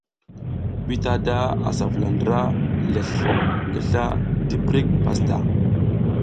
Bitada asa vula ndra lezl ngi sla tiprik pastaʼa.